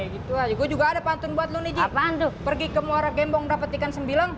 gitu aja gue juga ada pantun buat lo nih apaan tuh pergi ke muara gembong dapet ikan sembilang